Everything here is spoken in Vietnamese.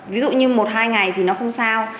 ví dụ như một hai ngày thì nó không sao